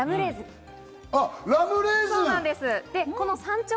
あっ、ラムレーズン。